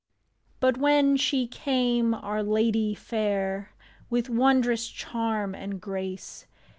But when she came, our Ladye Faire, With wondrous charm and grace.